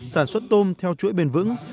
sản xuất tôm theo chuỗi bền vững